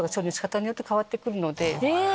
え